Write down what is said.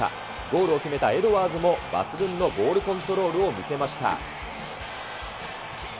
ゴールを決めたエドワーズも抜群のボールコントロールを見せました。